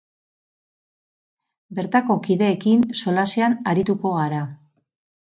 Bertako kideekin solasean arituko gara.